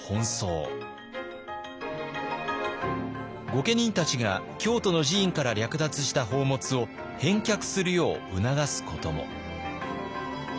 御家人たちが京都の寺院から略奪した宝物を返却するよう促すことも。